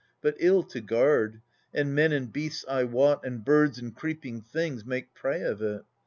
But ill to guard ; and men and beasts, I wot, And birds and creeping things make prey of it.